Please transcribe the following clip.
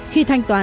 khi thanh toán